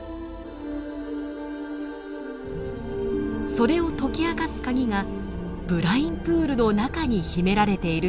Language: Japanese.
それを解き明かす鍵がブラインプールの中に秘められているというのです。